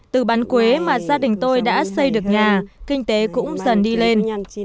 từ bán quế mà gia đình tôi đã xây được nhà kinh tế cũng dần đi lên